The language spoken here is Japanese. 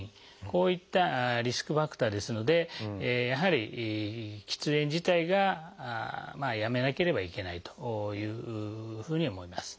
こういったリスクファクターですのでやはり喫煙自体がやめなければいけないというふうに思います。